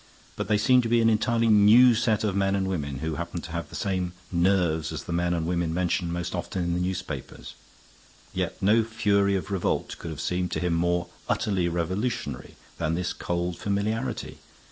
But they seemed to be an entirely new set of men and women, who happened to have the same nerves as the men and women mentioned most often in the newspapers. Yet no fury of revolt could have seemed to him more utterly revolutionary than this cold familiarity.